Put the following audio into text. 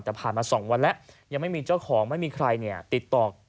แต่ผ่านมาสองวันยังไม่มีเจ้าของไม่มีใครเนี่ยติดต่อ